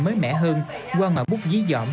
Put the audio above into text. mới mẻ hơn qua mở bút dí dõm